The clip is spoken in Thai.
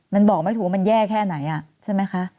มันบอกไม่ถูกว่ามันแย่แค่ไหนใช่ไหมคะ